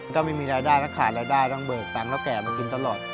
ก็ไม่มีรายด้านก็ขาดรายด้านต้องเบิกตังและแก่มากินตลอด